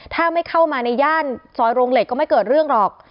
ถ้าไม่เข้ามาในย่านซอยโรงเหล็กก็ไม่เกิดเรื่องหรอก